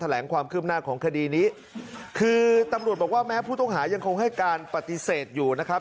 แหลงความคืบหน้าของคดีนี้คือตำรวจบอกว่าแม้ผู้ต้องหายังคงให้การปฏิเสธอยู่นะครับ